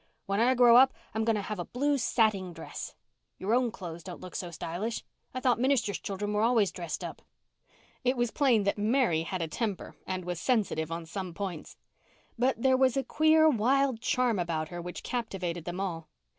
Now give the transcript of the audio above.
When I grow up I'm going to have a blue sating dress. Your own clothes don't look so stylish. I thought ministers' children were always dressed up." It was plain that Mary had a temper and was sensitive on some points. But there was a queer, wild charm about her which captivated them all.